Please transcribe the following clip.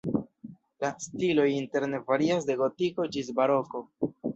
La stiloj interne varias de gotiko ĝis baroko.